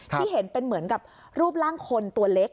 ที่เห็นเป็นเหมือนกับรูปร่างคนตัวเล็ก